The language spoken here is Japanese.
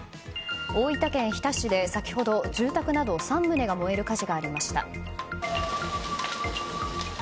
大分県日田市で先ほど先ほど住宅など３棟が燃える火事がありました。